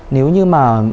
nếu như mà